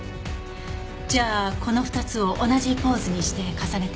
じゃあこの２つを同じポーズにして重ねて。